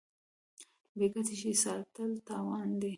بې ګټې شی ساتل تاوان دی.